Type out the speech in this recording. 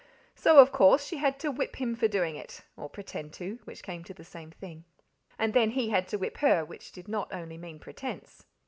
So, of course, she had to whip him for doing it, or pretend to, which came to the same thing. And then he had to whip her, which did not only mean pretence.